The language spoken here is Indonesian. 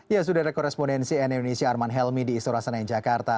ya sudah ada korespondensi nn indonesia arman helmi di istora senayan jakarta